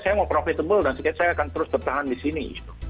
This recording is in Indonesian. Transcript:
saya mau profitable dan saya akan terus bertahan di sini